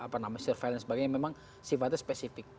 surveillance dan sebagainya memang sifatnya spesifik